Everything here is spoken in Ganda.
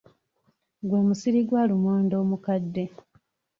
Gwe musiri gwa lumonde omukadde.